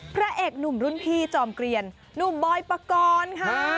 พระเอกหนุ่มรุ่นพี่จอมเกลียนหนุ่มบอยปกรณ์ค่ะ